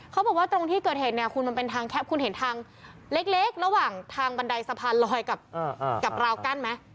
เขาบอกว่าตรงที่เกิดเหตุเนี่ยคุณมันเป็นทางแคปคุณเห็นทางเล็กระหว่างทางบันไดสะพานลอยกับราวกั้นไหม